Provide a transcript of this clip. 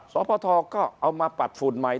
สปชก็เอามาปัดฟูนไหม